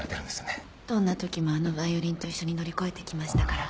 どんなときもあのバイオリンと一緒に乗り越えてきましたから。